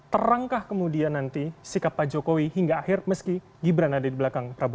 terangkah kemudian nanti sikap pak jokowi hingga akhir meski gibran ada di belakang prabowo